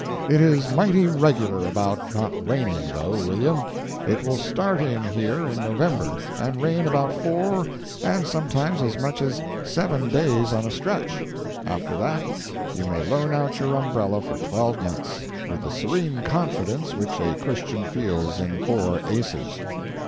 It is mighty regular about not raining, though, William. It will start in here in November and rain about four, and sometimes as much as seven days on a stretch; after that, you may loan out your umbrella for twelve months, with the serene confidence which a Christian feels in four aces.